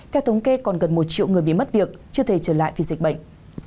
theo thống kê còn gần một triệu người bị mất việc chưa thể trở lại vì dịch bệnh